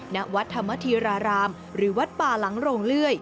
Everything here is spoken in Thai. ณวัดธรรมธีรารามหรือวัดป่าหลังโรงเลื่อย